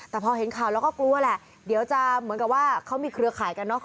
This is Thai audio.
แต่พอเห็นข่าวแล้วก็กลัวแหละเดี๋ยวจะเหมือนกับว่าเขามีเครือข่ายกันเนาะ